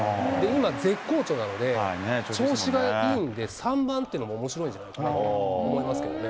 今、絶好調なので、調子がいいんで、３番っていうのもおもしろいんじゃないかなと思いますけどね。